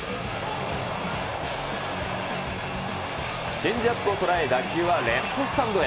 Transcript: チェンジアップを捉え、打球はレフトスタンドへ。